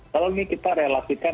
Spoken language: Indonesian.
kalau ini kita relaksikan